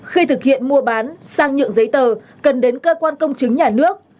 khi thực hiện mua bán sang nhượng giấy tờ cần đến cơ quan công chứng nhà nước